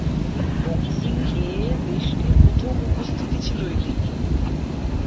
Boxing এ দেশটির প্রথম উপস্থিতি ছিল এটি।